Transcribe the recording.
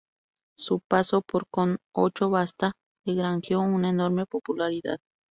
Su paso por "Con ocho basta" le granjeó una enorme popularidad.